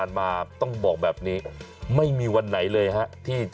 แล้วเนี่ย